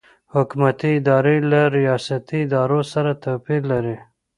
حکومتي ادارې له ریاستي ادارو سره توپیر لري.